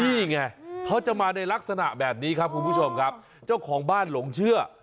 นี่ไงเขาจะมาในลักษณะแบบนี้ครับคุณผู้ชมครับเจ้าของบ้านหลงเชื่อ